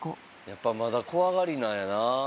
やっぱまだ怖がりなんやなぁ。